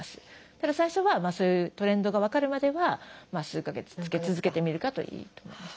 ただ最初はそういうトレンドが分かるまでは数か月つけ続けてみるかといいと思います。